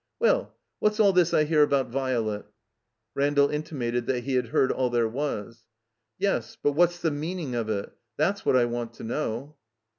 "Well, what's all this I hear about Virelet?" Randall intimated that he had heard all there was. "Yes, but what's the meaning of it? That's what I want to know."